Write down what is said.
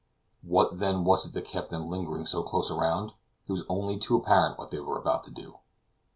What then was it that kept them lingering so close around? It was only too apparent what they were about to do.